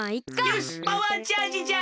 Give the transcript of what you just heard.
よしパワーチャージじゃ！